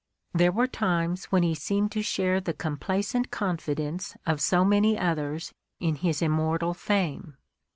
There were times when he seemed to share the com placent confidence of so many others in his immortal fame.